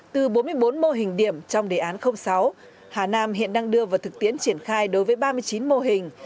từ bốn mươi bốn mô hình điểm trong đề án sáu hà nam hiện đang đưa vào thực tiễn triển khai đối với ba mươi chín mô hình